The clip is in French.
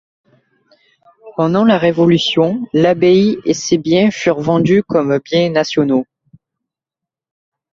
Pendant la Révolution, l’abbaye et ses biens furent vendus comme biens nationaux.